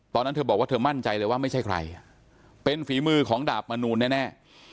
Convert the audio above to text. ตอนนั้นเธอบอกว่าเธอมั่นใจเลยว่าไม่ใช่ใครเป็นฝีมือของดาบมนูลแน่